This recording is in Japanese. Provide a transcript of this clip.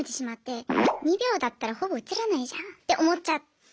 ２秒だったらほぼ映らないじゃんって思っちゃって。